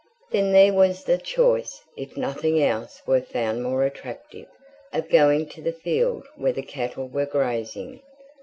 Then there was the choice, if nothing else were found more attractive, of going to the field where the cattle were grazing.